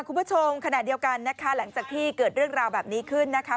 คุณผู้ชมขณะเดียวกันนะคะหลังจากที่เกิดเรื่องราวแบบนี้ขึ้นนะคะ